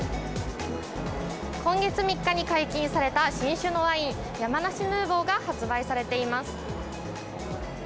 今月３日に解禁された新酒のワイン、山梨ヌーボーが発売されています。